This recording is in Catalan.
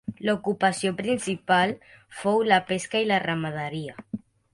L'ocupació principal fou la pesca i la ramaderia.